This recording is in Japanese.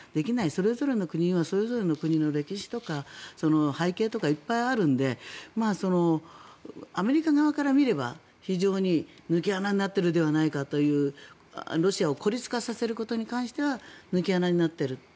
それぞれの国がそれぞれの国の歴史とか背景とかいっぱいあるのでアメリカ側から見れば非常に抜け穴になっているではないかとロシアを孤立化させることに関しては抜け穴になっている。